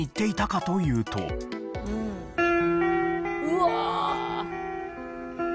うわ！